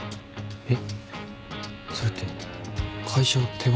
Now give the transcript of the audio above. えっ！？